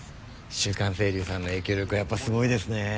週刊星流さんの影響力はやっぱすごいですね。